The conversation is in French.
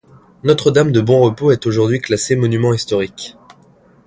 Notre-Dame-de-Bon-Repos est aujourd'hui classée monument historique.